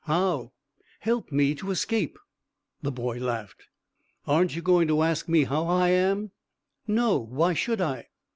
"How?" "Help me to escape." The boy laughed. "Aren't you going to ask me how I am?" "No; why should I?"